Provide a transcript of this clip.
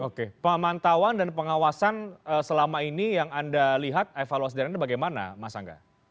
oke pemantauan dan pengawasan selama ini yang anda lihat evaluasi dari anda bagaimana mas angga